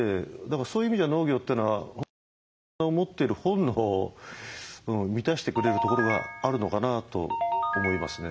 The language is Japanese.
そういう意味じゃ農業ってのは本当に人間の持っている本能を満たしてくれるところがあるのかなと思いますね。